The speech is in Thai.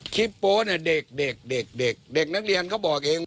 โป๊เนี่ยเด็กเด็กนักเรียนเขาบอกเอง